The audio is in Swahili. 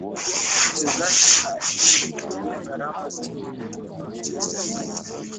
Mchezaji aliye tumia gharama zaidi kutoka Manchester United